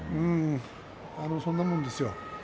そんなもんですよ。